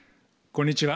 こんにちは。